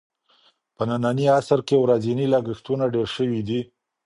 په ننني عصر کې ورځني لګښتونه ډېر شوي دي.